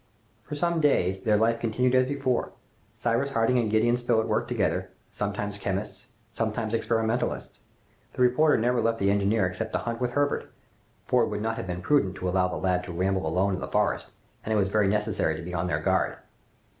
For some days their life continued as before. Cyrus Harding and Gideon Spilett worked together, sometimes chemists, sometimes experimentalists. The reporter never left the engineer except to hunt with Herbert, for it would not have been prudent to allow the lad to ramble alone in the forest; and it was very necessary to be on their guard.